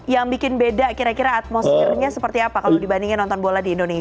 yang bikin beda kira kira atmosfernya seperti apa kalau dibandingin nonton bola di indonesia